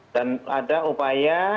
dan ada upaya